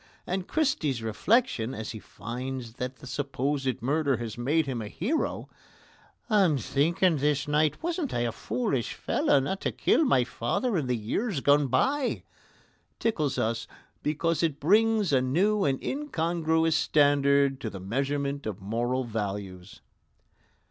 And Christy's reflection, as he finds that the supposed murder has made him a hero "I'm thinking this night wasn't I a foolish fellow not to kill my father in the years gone by" tickles us because it brings a new and incongruous standard to the measurement of moral values.